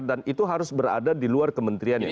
dan itu harus berada di luar kementerian yang ada